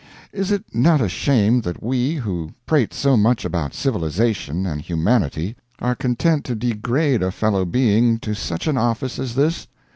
Is it not a shame that we, who prate so much about civilization and humanity, are content to degrade a fellow being to such an office as this?